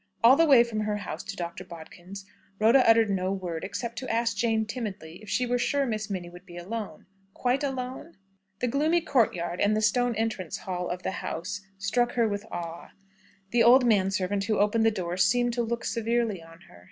All the way from her own house to Dr. Bodkin's, Rhoda uttered no word, except to ask Jane timidly if she were sure Miss Minnie would be alone quite alone? The gloomy courtyard, and the stone entrance hall of the house struck her with awe. The old man servant who opened the door seemed to look severely on her.